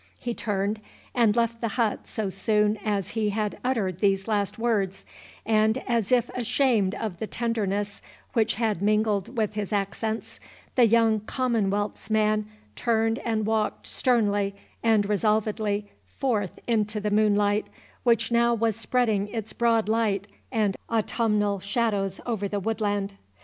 He turned and left the hut so soon as he had uttered these last words; and, as if ashamed of the tenderness which had mingled with his accents, the young commonwealth's man turned and walked sternly and resolvedly forth into the moonlight, which now was spreading its broad light and autumnal shadows over the woodland.